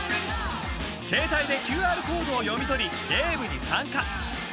［携帯でＱＲコードを読み取りゲームに参加］